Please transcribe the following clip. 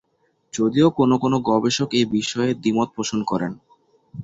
যদিও কোনও কোনও গবেষক এই বিষয়ে দ্বিমত পোষণ করেন।